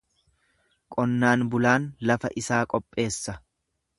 Qonnaan bulaan lafa isaa qopheessa.